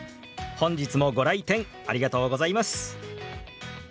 本日もご来店ありがとうございます！